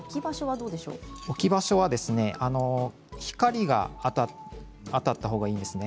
置き場所は光が当たった方がいいですね。